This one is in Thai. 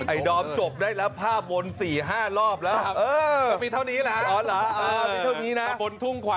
ไอ้ดอมจบได้แล้วผ้าบน๔๕รอบแล้ว